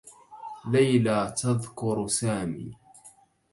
ليلى تذكر سامي.